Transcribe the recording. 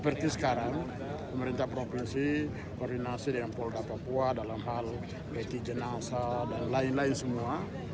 seperti sekarang pemerintah provinsi koordinasi dengan polda papua dalam hal peti jenazah dan lain lain semua